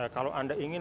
kalau anda ingin